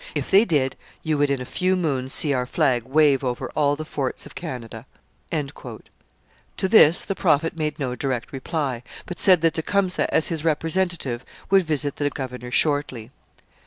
If they did, you would in a few moons see our flag wave over all the forts of Canada. To this the Prophet made no direct reply, but said that Tecumseh, as his representative, would visit the governor shortly.